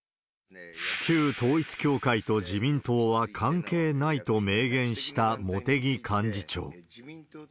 旧統一教会と自民党は関係ないと明言した茂木幹事長。